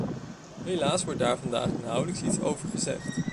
Helaas wordt daar vandaag nauwelijks iets over gezegd.